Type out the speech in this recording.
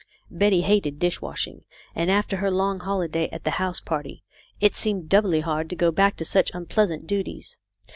Betty hated dish washing, and after her long holi day at the house party it seemed doubly hard to go back to such unpleasant duties.